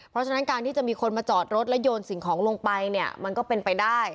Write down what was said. เพราะฉะนั้นการที่จะมีคนมาจอดรถแล้วโยนสิ่งของลงไปเนี่ยมันก็เป็นไปได้